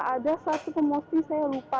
ada satu promosi saya lupa